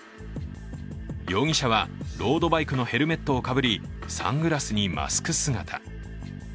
容疑者は、ロードバイクのヘルメットをかぶりサングラスにマスク姿。